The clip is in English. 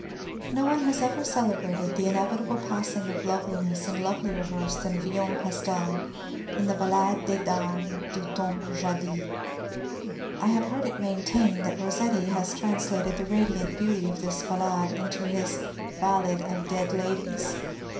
No one has ever celebrated the inevitable passing of loveliness in lovelier verse than Villon has done in the Ballade des Dames du Temps Jadis. I have heard it maintained that Rossetti has translated the radiant beauty of this ballade into his _Ballad of Dead Ladies.